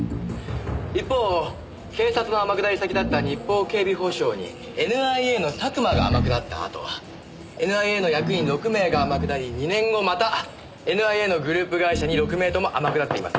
一方警察の天下り先だった日邦警備保障にＮＩＡの佐久間が天下ったあとＮＩＡの役員６名が天下り２年後またＮＩＡのグループ会社に６名とも天下っています。